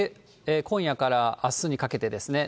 今夜からあすにかけてですね。